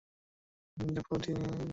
অপু বলিল, দিদি, বিষ্টি যদি আর না থামে?